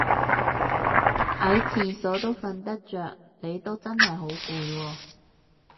喺廁所都瞓得着你都真係好攰喎